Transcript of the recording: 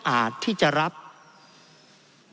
เพราะเรามี๕ชั่วโมงครับท่านนึง